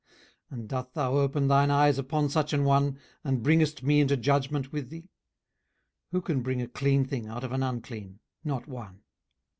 18:014:003 And doth thou open thine eyes upon such an one, and bringest me into judgment with thee? 18:014:004 Who can bring a clean thing out of an unclean? not one.